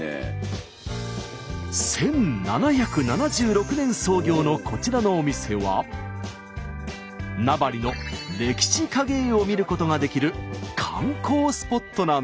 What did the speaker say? １７７６年創業のこちらのお店は名張の歴史影絵を見ることができる観光スポットなんです。